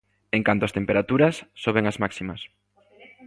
En canto as temperaturas soben as máximas.